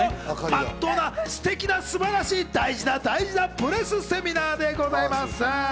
真っ当なステキな素晴らしい大事な大事なプレスセミナーでございます。